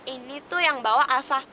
ini tuh yang bawa asap